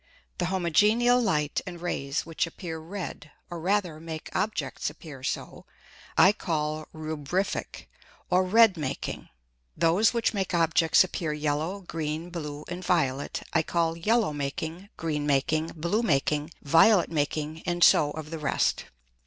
_ The homogeneal Light and Rays which appear red, or rather make Objects appear so, I call Rubrifick or Red making; those which make Objects appear yellow, green, blue, and violet, I call Yellow making, Green making, Blue making, Violet making, and so of the rest.